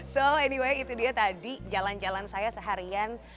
so anyway itu dia tadi jalan jalan saya seharian